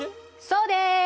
そうです！